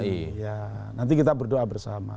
iya nanti kita berdoa bersama